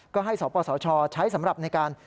ก็ให้สปสชใช้สำหรับในการ